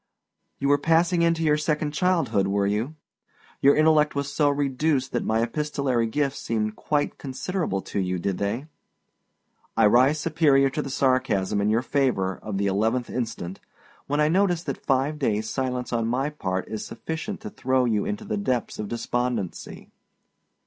You were passing into your second childhood, were you? Your intellect was so reduced that my epistolary gifts seemed quite considerable to you, did they? I rise superior to the sarcasm in your favor of the 11th instant, when I notice that five daysâ silence on my part is sufficient to throw you into the depths of despondency.